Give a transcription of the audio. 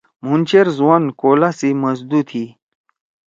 مُھن چیر زوان کولا سی مزدُو تھی۔